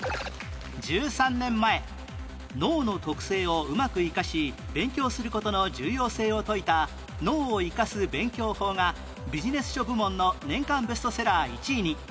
１３年前脳の特性をうまく生かし勉強する事の重要性を説いた『脳を活かす勉強法』がビジネス書部門の年間ベストセラー１位に